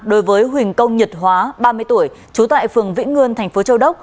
đối với huỳnh công nhật hóa ba mươi tuổi trú tại phường vĩnh nguyên tp châu đốc